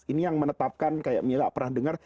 ini yang menetapkan kayak mila pernah dengar